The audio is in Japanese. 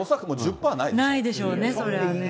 ないでしょうね、そりゃね。